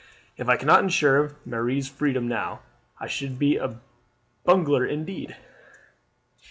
If I cannot ensure Marie's freedom now I should be a bungler indeed.